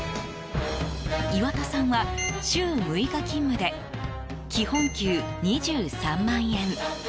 岩田さんは週６日勤務で基本給２３万円。